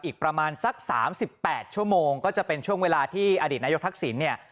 อีกประมาณสัก๓๘ชั่วโมงก็จะเป็นช่วงเวลาที่อดีตนายกทักษิณเนี่ย